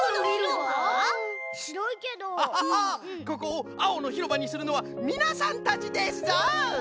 ここをあおのひろばにするのはみなさんたちですぞ。